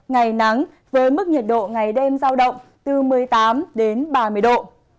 ngày nắng với mức nhiệt độ ngày đêm giao động từ một mươi tám đến ba mươi độ